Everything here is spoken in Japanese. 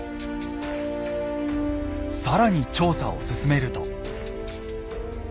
更に調査を進めると。